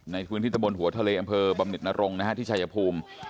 ในพื้นที่ตะบนหัวทะเลอำเภอบำนิดนรงค์นะฮะที่ชายภูมิ